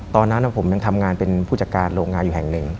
ตอนนั้นผมยังทำงานเป็นผู้จัดการโรงงานอยู่แห่งหนึ่ง